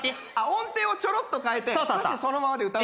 音程をちょろっと変えて歌詞そのままで歌う。